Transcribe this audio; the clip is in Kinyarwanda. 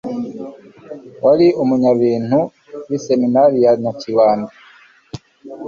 wari umunyabintu b'iseminari ya nyakibanda